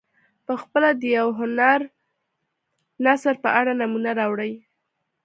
پخپله د یو هنري نثر په اړه نمونه راوړي.